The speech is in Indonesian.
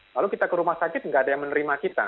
lalu kita ke rumah sakit tidak ada yang menerima kita